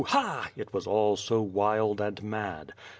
— it was all so wild and mad.